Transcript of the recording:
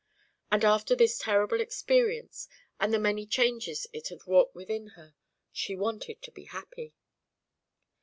And after this terrible experience and the many changes it had wrought within her, she wanted to be happy.